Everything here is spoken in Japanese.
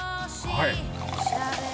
はい？